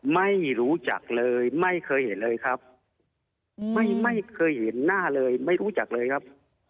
ไม่รู้จักเลยไม่เคยเห็นเลยครับไม่ไม่เคยเห็นหน้าเลยไม่รู้จักเลยครับ